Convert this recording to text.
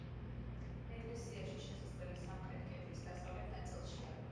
ეკლესიაში შესასვლელი სამხრეთ კედლის დასავლეთ ნაწილშია.